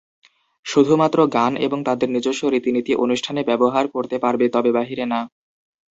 শুধু মাত্র গান এবং তাদের নিজস্ব রীতি-নীতি অনুষ্ঠানে ব্যবহার করতে পারবে তবে বাহিরে না।